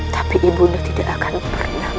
tapi ibu tidak akan pernah melupakamu